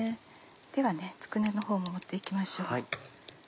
ではつくねのほうも持って行きましょう。